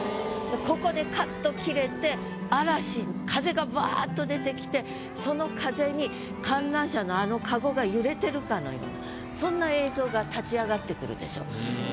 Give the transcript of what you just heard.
ここでカット切れて嵐風がバァっと出てきてその風に観覧車のあのかごが揺れてるかのようなそんな映像が立ち上がってくるでしょ？